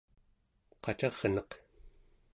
qacarneq